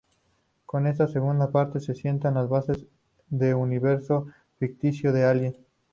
Con esta segunda parte se sientan las bases del universo ficticio de "Alien".